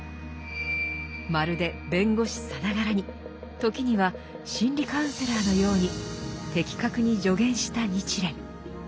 まるで弁護士さながらに時には心理カウンセラーのように的確に助言した日蓮。